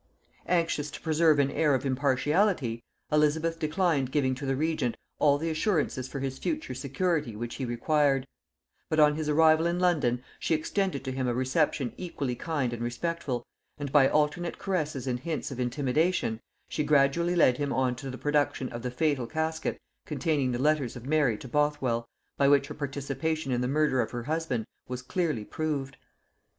Anxious to preserve an air of impartiality, Elizabeth declined giving to the regent all the assurances for his future security which he required; but on his arrival in London she extended to him a reception equally kind and respectful, and by alternate caresses and hints of intimidation she gradually led him on to the production of the fatal casket containing the letters of Mary to Bothwell, by which her participation in the murder of her husband was clearly proved.